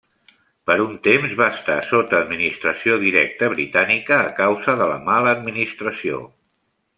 Per un temps va estar sota administració directa britànica a causa de la mala administració.